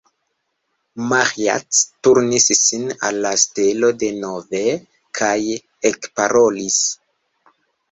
Maĥiac turnis sin al la stelo denove, kaj ekparolis.